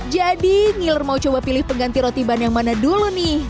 jadi ngiler mau coba pilih pengganti roti ban yang mana dulu nih